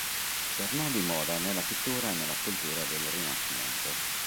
Tornò di moda nella pittura e nella scultura del Rinascimento.